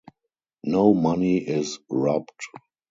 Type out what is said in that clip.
No money is robbed.